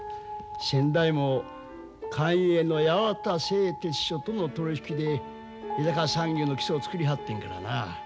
先代も官営の八幡製鉄所との取り引きで江坂産業の基礎を作りはってんからな。